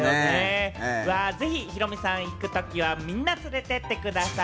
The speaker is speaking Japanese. ぜひヒロミさん、行くときはみんなを連れて行ってください。